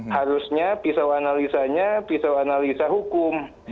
harusnya pisau analisanya pisau analisa hukum